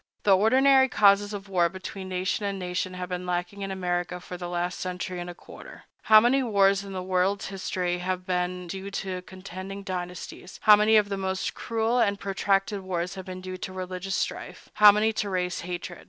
The ordinary causes of war between nation and nation have been lacking in America for the last century and a quarter. How many wars in the world's history have been due to contending dynasties; how many of the most cruel and protracted wars have been due to religious strife; how many to race hatred!